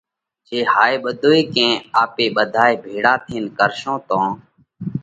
جي هائي ٻڌوئي ڪئين آپي ٻڌائي ڀيۯا ٿينَ ڪرشون تو